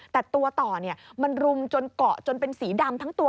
แต่ตัวต่อมันรุมจนเกาะจนเป็นสีดำทั้งตัว